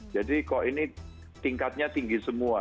jadi kok ini tingkatnya tinggi semua